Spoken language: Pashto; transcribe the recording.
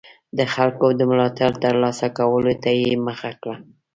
د خلکو د ملاتړ ترلاسه کولو ته یې مخه کړه.